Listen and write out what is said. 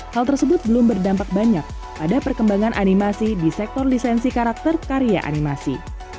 hal tersebut belum berdampak banyak pada perkembangan animasi di sektor lisensi karakter karya animasi